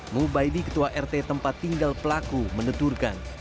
mubaidi ketua rt tempat tinggal pelaku menuturkan